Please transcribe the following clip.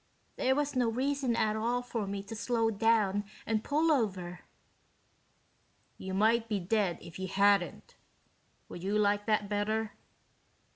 There was no reason at all for me to slow down and pull over." "You might be dead if you hadn't. Would you like that better?"